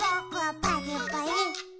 パリッパリ。